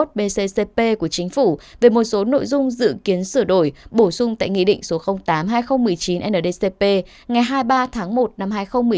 nccp của chính phủ về một số nội dung dự kiến sửa đổi bổ sung tại nghị định số tám hai nghìn một mươi chín ndcp ngày hai mươi ba tháng một năm hai nghìn một mươi bảy